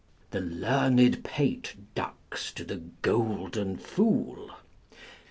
" The learned pate ducks to the golden fool."